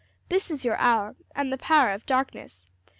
'This is your hour and the power of darkness.'